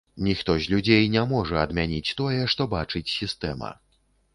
Ніхто з людзей не можа адмяніць тое, што бачыць сістэма.